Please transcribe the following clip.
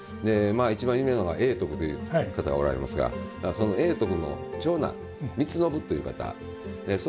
一番有名なのは永徳という方がおられますがその永徳の長男光信という方その方が描かれたと。